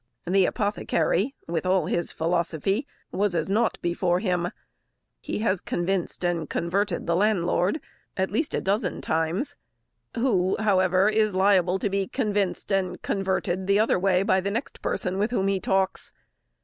The apothecary, with all his philosophy, was as nought before him. He has convinced and converted the landlord at least a dozen times; who, however, is liable to be convinced and converted the other way by the next person with whom he talks.